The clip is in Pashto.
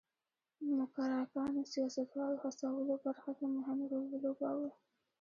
موکراکانو سیاستوالو هڅولو برخه کې مهم رول ولوباوه.